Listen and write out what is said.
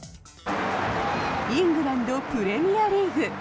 イングランド・プレミアリーグ。